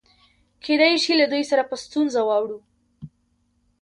کېدای شي له دوی سره په ستونزه واوړو.